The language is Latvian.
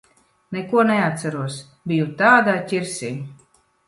Neko neatceros. Biju tādā ķirsī.